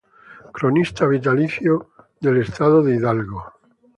Cronista vitalicio vitalicio del Estado de Hidalgo.